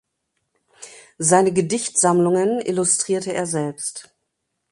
Seine Gedichtsammlungen illustrierte er selbst.